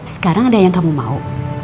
sekarang ada yang kamu mau